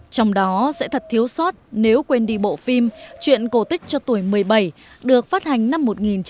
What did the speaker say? trong đó sẽ thật thiếu sót nếu quên đi bộ phim chuyện cổ tích cho tuổi một mươi bảy được phát hành năm một nghìn chín trăm bảy mươi